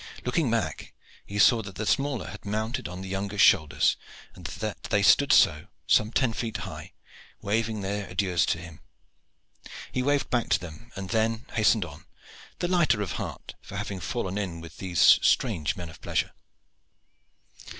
Looking back, he saw that the smaller had mounted on the younger's shoulders, and that they stood so, some ten feet high, waving their adieus to him. He waved back to them, and then hastened on, the lighter of heart for having fallen in with these strange men of pleasure.